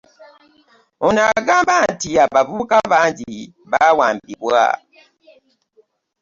Ono agamba nti abavubuka bangi baawambibwa